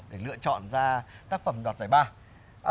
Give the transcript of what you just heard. để lựa chọn ra tác phẩm đoạt giải ba